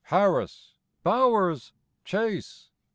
Harris? Bowers? Chase?